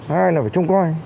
hai là phải trông coi